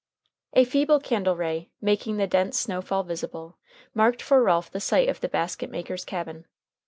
A feeble candle ray, making the dense snow fall visible, marked for Ralph the site of the basket maker's cabin.